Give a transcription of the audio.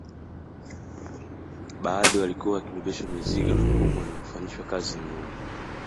Baadhi walikuwa wakibebeshwa mizigo mikubwa na kufanyishwa kazi ngumu